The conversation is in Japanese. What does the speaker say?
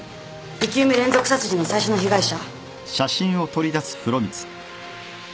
生き埋め連続殺人の最初の被害者。